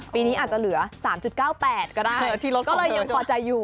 ปีนี้อาจจะเหลือ๓๙๘ก็ได้ก็เลยยังพอใจอยู่